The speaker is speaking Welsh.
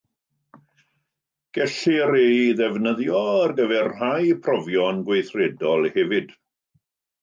Gellir ei ddefnyddio ar gyfer rhai profion gweithredol hefyd.